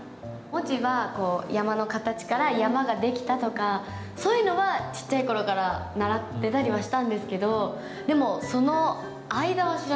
文字は山の形から「山」が出来たとかそういうのはちっちゃい頃から習ってたりはしたんですけどでもその間は知らなかったのでなかなか。